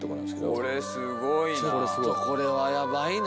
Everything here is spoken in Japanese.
これすごいな。